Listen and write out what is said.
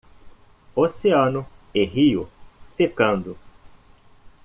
Oceano e rio secando